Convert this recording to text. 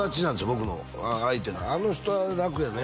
僕の相手があの人は楽やね